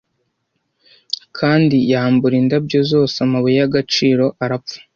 Kandi yambura indabyo zose amabuye y'agaciro - arapfa;